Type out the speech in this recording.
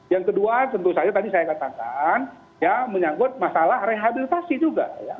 yang kedua tentu saja tadi saya katakan ya menyangkut masalah rehabilitasi juga ya